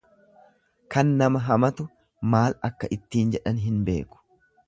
Kan nama hamatu, maal akka ittiin jedhan hin beeku.